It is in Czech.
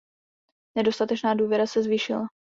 Nedostatečná důvěra se zvýšila.